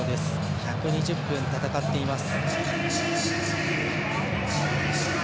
１２０分、戦っています。